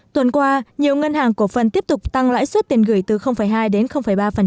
tuần qua nhiều ngân hàng cổ phần tiếp tục tăng lãi suất tiền gửi từ hai đến ba